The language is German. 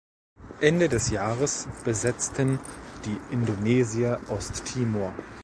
Ende des Jahres besetzten die Indonesier Osttimor.